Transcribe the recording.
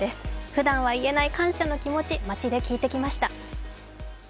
ふだんは言えない感謝の気持ち、街で聞いてきました。